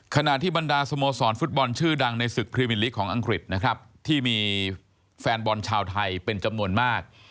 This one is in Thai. ขณะที่บรรดาสโมสรฟุตบอลชื่อดังในศึกพรีมิลิกของอังกฤษนะครับที่มีแฟนบอลชาวไทยเป็นจำนวนมาก